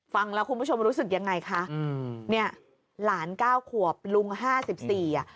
ฟังแล้วคุณผู้ชมรู้สึกยังไงคะอืมเนี่ยหลานเก้าขวบลุงห้าสิบสี่อ่ะ